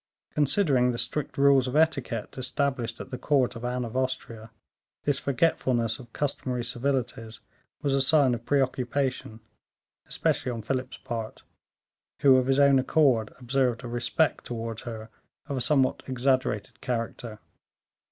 Considering the strict rules of etiquette established at the court of Anne of Austria, this forgetfulness of customary civilities was a sign of preoccupation, especially on Philip's part, who, of his own accord, observed a respect towards her of a somewhat exaggerated character.